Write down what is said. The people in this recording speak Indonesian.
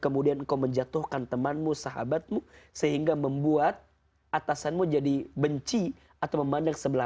menghormati teman temanmu sahabatmu sehingga membuat atasanmu jadi benci atau memandang sebelah